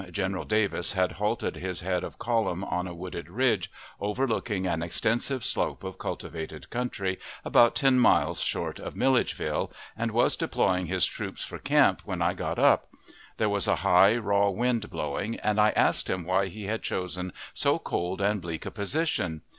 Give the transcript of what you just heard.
General Davis had halted his head of column on a wooded ridge, overlooking an extensive slope of cultivated country, about ten miles short of Milledgeville, and was deploying his troops for camp when I got up. There was a high, raw wind blowing, and I asked him why he had chosen so cold and bleak a position.